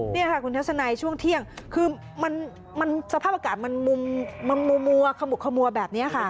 นี่ค่ะคุณทัศนัยช่วงเที่ยงคือมันสภาพอากาศมันมัวขมุกขมัวแบบนี้ค่ะ